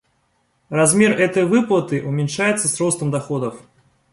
Размер этой выплаты уменьшается с ростом доходов.